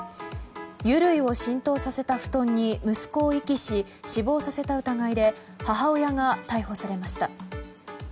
油類を浸透させた布団に息子を遺棄し死亡させた疑いで母親が逮捕されました。